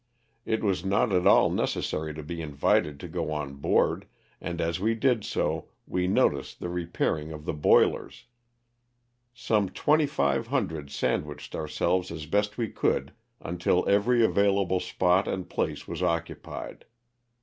It was not at all necessary to be invited to go on board, and as we did so we noticed the repairing of the boilers. Some 2,500 sandwiched LOSS OF THE SULTANA. 191 ourselves as best we could until every available spot and place was occupied.